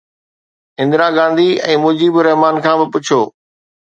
اندرا گانڌي ۽ مجيب الرحمان کان به پڇو